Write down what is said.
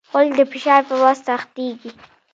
غول د فشار په وخت سختېږي.